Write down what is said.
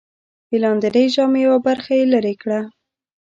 د لاندېنۍ ژامې یوه برخه یې لرې کړه.